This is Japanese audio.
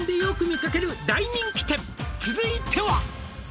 「続いては」